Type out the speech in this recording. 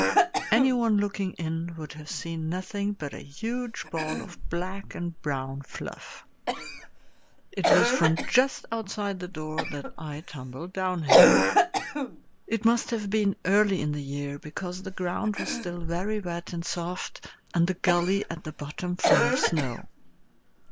Anyone looking in would have seen nothing but a huge ball of black and brown fluff. It was from just outside the door that I tumbled downhill. It must have been early in the year, because the ground was still very wet and soft, and the gully at the bottom full of snow.